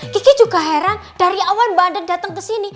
kiki juga heran dari awal mbak andin dateng kesini